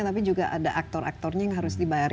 tapi juga ada aktor aktornya yang harus dibayar